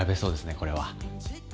これは。